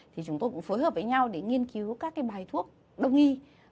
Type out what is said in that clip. thì chúng tôi cũng phối hợp với nhau để nghiên cứu các cái bài thuốc đồng nghi